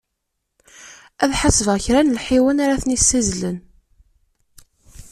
Ad ḥasbeɣ kra n lḥiwan ara ten-issizzlen.